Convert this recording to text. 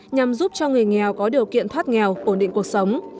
nhằm giúp cho người nghèo có điều kiện thoát nghèo ổn định cuộc sống